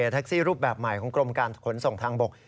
แท็กซี่รูปแบบใหม่ของกรมการขนส่งทางบก